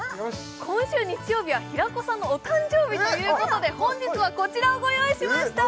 今週日曜日は平子さんのお誕生日ということで本日はこちらをご用意しました！